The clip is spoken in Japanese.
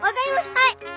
はい！